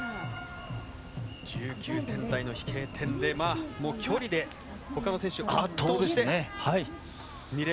１９点台の飛型点で距離で他の選手を圧倒して２連覇。